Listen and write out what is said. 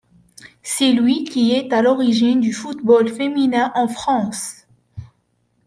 C'est lui qui est à l'origine du football féminin en France.